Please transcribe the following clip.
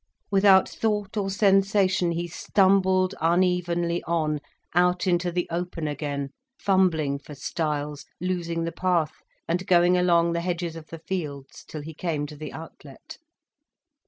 Without thought or sensation, he stumbled unevenly on, out into the open again, fumbling for stiles, losing the path, and going along the hedges of the fields till he came to the outlet.